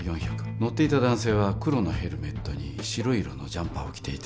乗っていた男性は黒のヘルメットに白い色のジャンパーを着ていて